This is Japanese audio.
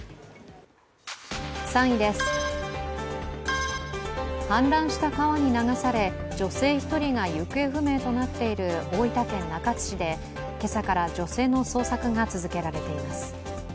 ３位です、氾濫した川に流され女性１人が行方不明となっている大分県中津市で今朝から女性の捜索が続けられています。